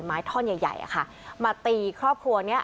ไม้ท่อนใหญ่อะค่ะมาตีครอบครัวเนี้ย